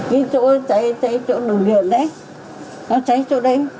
cái chỗ cháy chỗ đường hiển đấy nó cháy chỗ đấy